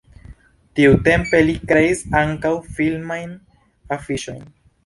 Tiutempe li kreis ankaŭ filmajn afiŝojn.